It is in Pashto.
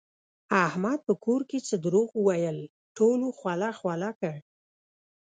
احمد په کور کې څه دروغ وویل ټولو خوله خوله کړ.